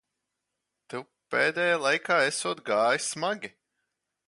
Tev pēdējā laikā esot gājis smagi.